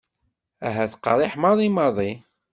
Ahat qerriḥ maḍi maḍi.